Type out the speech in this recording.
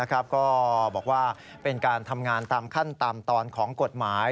ก็บอกว่าเป็นการทำงานตามขั้นตามตอนของกฎหมาย